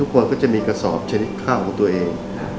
คนก็จะมีกระสอบชนิดข้าวของตัวเอง